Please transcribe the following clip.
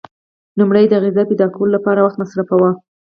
لومړی یې د غذا پیدا کولو لپاره وخت مصرفاوه.